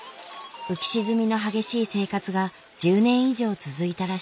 浮き沈みの激しい生活が１０年以上続いたらしい。